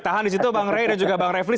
tahan di situ bang rai dan juga bang revely